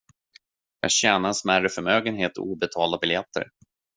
Jag tjänade en smärre förmögenhet i obetalda biljetter.